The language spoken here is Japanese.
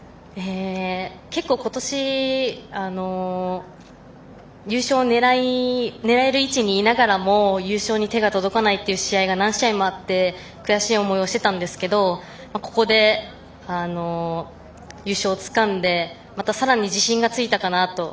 結構今年優勝を狙える位置にいながらも優勝に手が届かないという試合が何試合もあって悔しい思いをしていたんですけどここで優勝をつかんでまたさらに自信がついたかなと。